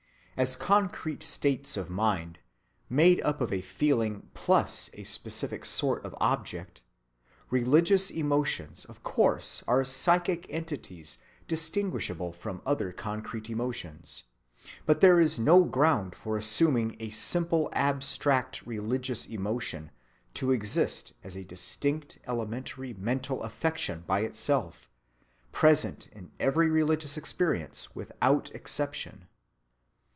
As concrete states of mind, made up of a feeling plus a specific sort of object, religious emotions of course are psychic entities distinguishable from other concrete emotions; but there is no ground for assuming a simple abstract "religious emotion" to exist as a distinct elementary mental affection by itself, present in every religious experience without exception.